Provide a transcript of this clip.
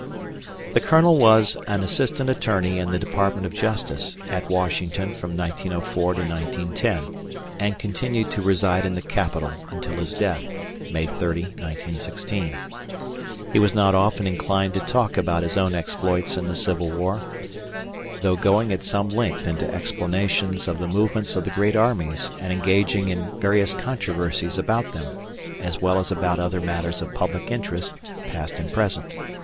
The Colonel was an assistant attorney in the Department of Justice at Washington from 1904 to 1910 and continued to reside in the Capital until his death, May 30, 1916. He was not often inclined to talk about his own exploits in the Civil War, though going at some length into explanations of the movements of the great armies and engaging in various controversies about them, as well as about other matters of public interest, past and present.